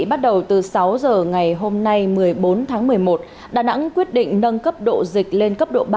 bắt đầu từ sáu giờ ngày hôm nay một mươi bốn tháng một mươi một đà nẵng quyết định nâng cấp độ dịch lên cấp độ ba